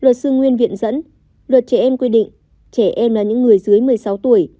luật sư nguyên viện dẫn luật trẻ em quy định trẻ em là những người dưới một mươi sáu tuổi